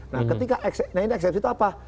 nah ketika eksepsi itu apa